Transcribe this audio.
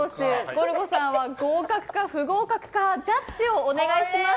ゴルゴさんは合格か不合格かジャッジをお願いします。